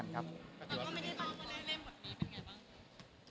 แล้วก็ไม่ได้ร้องไม่ได้เล่นเป็นยังไงบ้าง